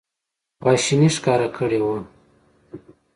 خواشیني ښکاره کړې وه.